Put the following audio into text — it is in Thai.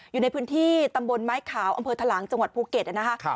อยู่ในพื้นที่ตำบลไม้ขาวอำเภอทะลังจังหวัดภูเก็ตนะคะ